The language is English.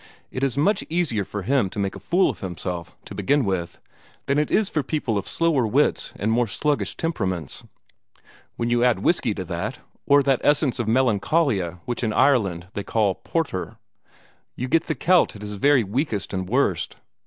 It is much easier for him to make a fool of himself, to begin with, than it is for people of slower wits and more sluggish temperaments. When you add whiskey to that, or that essence of melancholia which in Ireland they call 'porther,' you get the Kelt at his very weakest and worst.